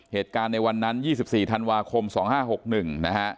เหตุการณ์ในวันนั้น๒๔ธันวาคม๒๕๖๑นะฮะ